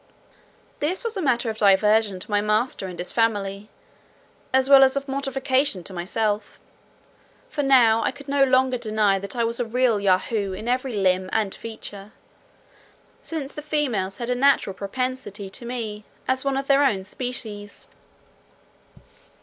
This was a matter of diversion to my master and his family, as well as of mortification to myself. For now I could no longer deny that I was a real Yahoo in every limb and feature, since the females had a natural propensity to me, as one of their own species.